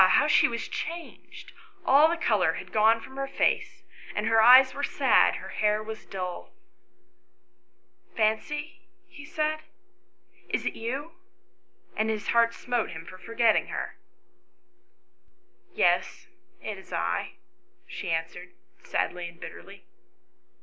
how she was changed ! All the colour had gone from her face, her eyes were sad, her hair was dulL XL] THE STORY OF WILLIE AND FANCY. 125 "Fancy," he said, "is it you?" and his heart smote him for forgetting her. " Yes, it is I," she answered, sadly and bitterly.